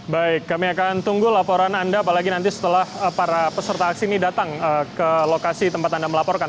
baik kami akan tunggu laporan anda apalagi nanti setelah para peserta aksi ini datang ke lokasi tempat anda melaporkan